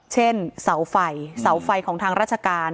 เสาไฟเสาไฟของทางราชการ